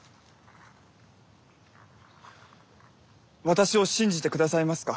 私を信じてくださいますか？